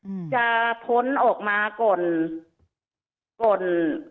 อืมจะพ้นออกมาก่อนก่อน